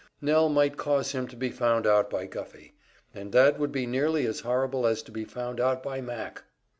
Nell might cause him to be found out by Guffey; and that would be nearly as horrible as to be found out by Mac!